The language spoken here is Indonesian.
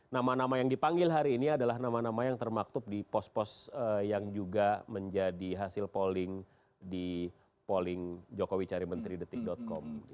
nama nama yang dipanggil hari ini adalah nama nama yang termaktub di pos pos yang juga menjadi hasil polling di polling jokowi cari menteri detik com